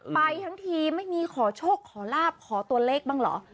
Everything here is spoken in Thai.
ไปทั้งทีไม่มีขอโชคขอลาบขอตัวเลขบ้างเหรอ